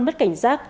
mất cảnh giác